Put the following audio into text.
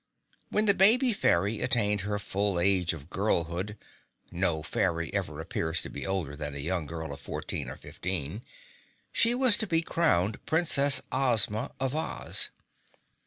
When the baby fairy attained her full age of girlhood (no fairy ever appears to be older than a young girl of fourteen or fifteen) she was to be crowned Princess Ozma of Oz.